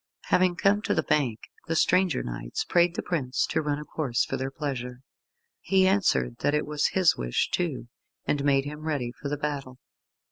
Having come to the bank the stranger knights prayed the prince to run a course for their pleasure. He answered that it was his wish, too, and made him ready for the battle.